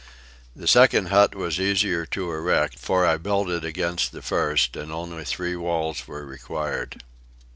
The second hut was easier to erect, for I built it against the first, and only three walls were required.